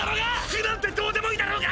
服なんてどうでもいいだろうが！